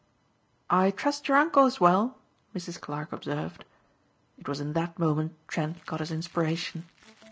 "I trust your uncle is well," Mrs. Clarke observed. It was in that moment Trent got his inspiration.